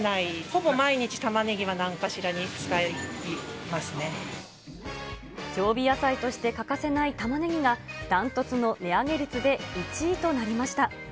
ほぼ毎日、タマネギはなんかしら常備野菜として欠かせないタマネギが、断トツの値上げ率で１位となりました。